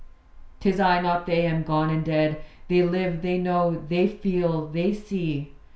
'Tis I, not they, am gone and dead. They live; they know; they feel; they see.